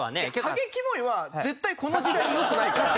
ハゲキモいは絶対この時代によくないから。